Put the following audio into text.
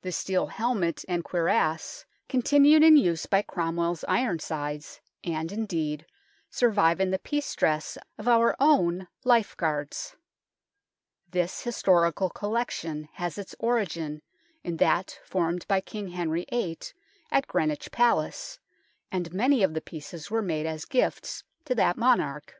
The steel helmet and 3 8 THE TOWER OF LONDON cuirass continued in use by Cromwell's Iron sides, and, indeed, survive in the peace dress of our own Life Guards. This historical collection has its origin in that formed by King Henry VIII at Greenwich Palace, and many of the pieces were made as gifts to that monarch.